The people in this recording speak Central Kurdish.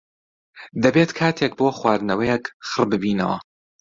دەبێت کاتێک بۆ خواردنەوەیەک خڕببینەوە.